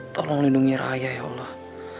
tolong lindungi raya ya allah